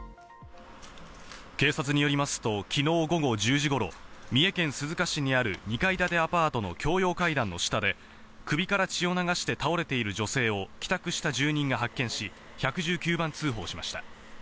警察によりますと昨日午後１０時頃、三重県鈴鹿市にある２階建てアパートの共用階段の下で首から血を流して倒れている女性を帰宅した住人が発見し、１１９番通報しました。